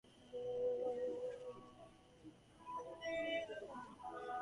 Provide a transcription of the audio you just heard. He accompanied Tarquin's sons on a trip to the Oracle of Delphi.